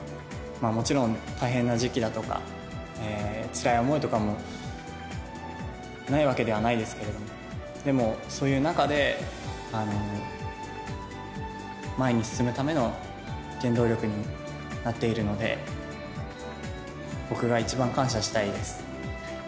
もちろん、大変な時期だとか、つらい想いとかもないわけではないですけれども、でも、そういう中で、前に進むための原動力になっているので、僕が一番感謝したいです。